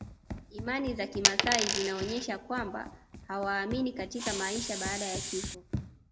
Imani za kimaasai zinaonyesha kwamba hawaamini katika maisha baada ya kifo